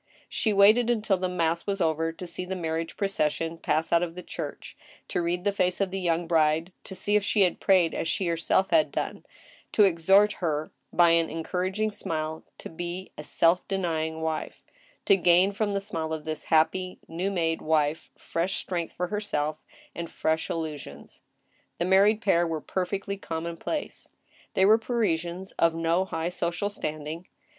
She waited until mass was over to see the aiarriage procession pass out of the church ; to read the face of the young bride ; to see if she had prayed as she herself had done ; to exhort her by an en 174 THE STEEL HAMMER. couraging smile to be a self denying wife ; to gain from the smile of this happy, new made wife fresh strength for herself and fresh illu sions. The married pair were perfectly commonplace. They were Parisians of no high social standing.